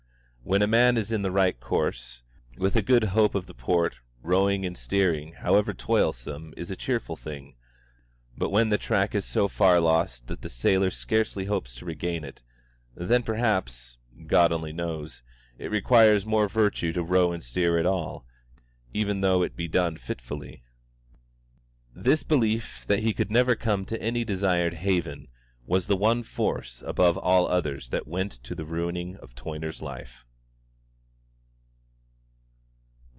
When a man is in the right course, with a good hope of the port, rowing and steering, however toilsome, is a cheerful thing; but when the track is so far lost that the sailor scarcely hopes to regain it then perhaps (God only knows) it requires more virtue to row and steer at all, even though it be done fitfully. This belief that he could never come to any desired haven was the one force above all others that went to the ruining of Toyner's life.